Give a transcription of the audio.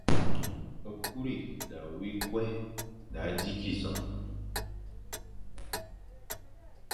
« kuri da wi kwuign da zi kig zokh.